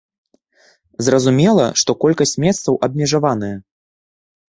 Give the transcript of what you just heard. Зразумела, што колькасць месцаў абмежаваная.